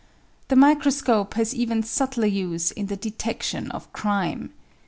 The mi croscope has even su'btler use in the detection of crime.